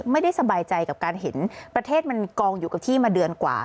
ไม่ได้สบายใจกับการเห็นประเทศมันกองอยู่กับที่มาเดือนกว่า